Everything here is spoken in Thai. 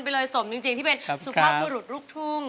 ไปเลยสมจริงที่เป็นสุภาพบุรุษลูกทุ่ง